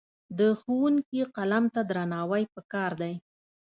د ښوونکي قلم ته درناوی پکار دی.